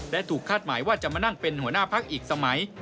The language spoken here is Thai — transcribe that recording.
และถูกคาดหมายว่าจะมานั่งเป็นหัวหน้าพักอีกสมัย